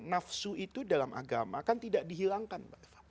nafsu itu dalam agama kan tidak dihilangkan